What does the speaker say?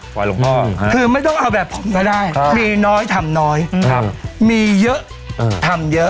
หลวงพ่อคือไม่ต้องเอาแบบผมก็ได้มีน้อยทำน้อยมีเยอะทำเยอะ